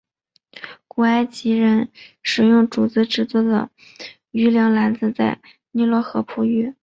古埃及人使用竹子制作的渔梁篮子在尼罗河捕鱼。